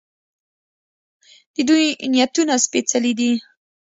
د دوی نیتونه سپیڅلي دي.